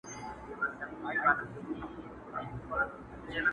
په اول د پسرلي کي د خزان استازی راغی؛